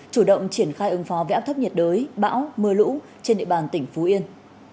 chủ động triển khai ứng phó với áp thấp nhiệt đới bão mưa lũ trên địa bàn tỉnh phú yên